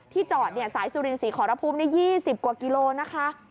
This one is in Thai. ที่จอดเนี้ยสายสุรินศรีขอรพภูมิเนี้ยยี่สิบกว่ากิโลนะคะ